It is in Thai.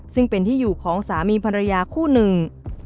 ซึ่งเป็นที่อยู่ของสามีภรรยาคู่หนึ่ง